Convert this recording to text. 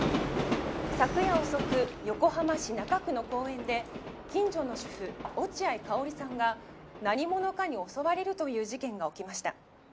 「昨夜遅く横浜市中区の公園で近所の主婦落合佳保里さんが何者かに襲われるという事件が起きました」